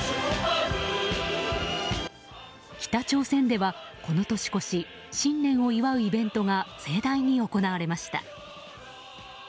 北朝鮮では、この年越し新年を祝うイベントが盛大に行われました。